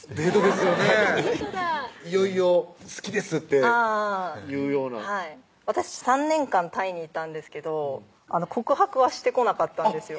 いよいよ「好きです」っていうような私３年間タイにいたんですけど告白はしてこなかったんですよ